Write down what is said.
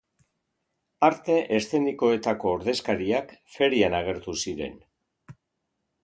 Arte eszenikoetako ordezkariak ferian agertu ziren.